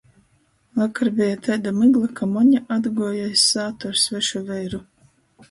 Vakar beja taida mygla, ka Moņa atguoja iz sātu ar svešu veiru.